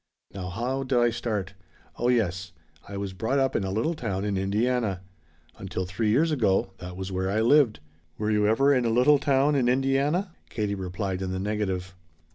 Now how did I start? Oh yes I was brought up in a little town in Indiana. Until three years ago, that was where I lived. Were you ever in a little town in Indiana?" Katie replied in the negative.